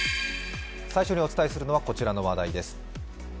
最初にお伝えするのはこちらの話題です。